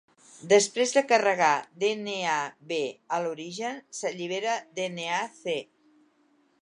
Després de carregar dnaB a l'origen, s'allibera dnaC.